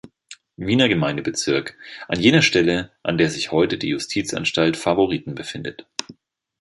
Wiener Gemeindebezirk, an jener Stelle, an der sich heute die Justizanstalt Favoriten befindet.